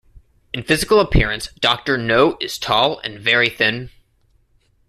In physical appearance Doctor No is tall and very thin.